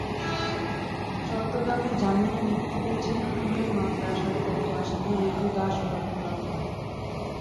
চট্টগ্রামে জামিনে মুক্তি পেয়েছেন খুনের মামলার সাজাপ্রাপ্ত আসামি রিটু দাশ ওরফে বাবলু।